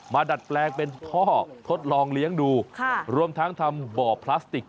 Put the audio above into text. ดัดแปลงเป็นท่อทดลองเลี้ยงดูรวมทั้งทำบ่อพลาสติก